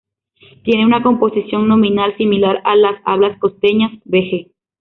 Tiene una composición nominal similar a las hablas costeñas, v.g.